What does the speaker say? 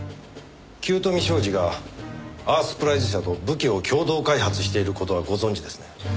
九斗美商事がアースプライズ社と武器を共同開発している事はご存じですね？